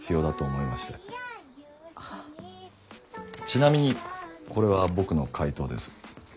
ちなみにこれは僕の回答です。